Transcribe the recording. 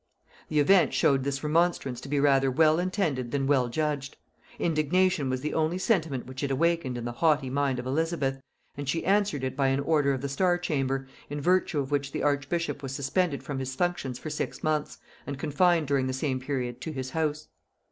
The event showed this remonstrance to be rather well intended than well judged. Indignation was the only sentiment which it awakened in the haughty mind of Elizabeth, and she answered it by an order of the Star chamber, in virtue of which the archbishop was suspended from his functions for six months, and confined during the same period to his house.